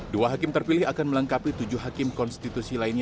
dua hakim terpilih akan melengkapi tujuh hakim konstitusi lainnya